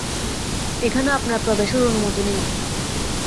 এখানে আপনার প্রবেশের অনুমতি নেই।